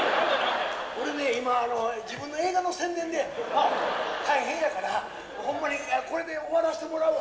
俺、自分の映画の宣伝で大変やから、ほんまにこれで終わらせてもらうわ。